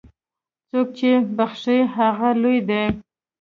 څوک چې بخښي، هغه لوی دی.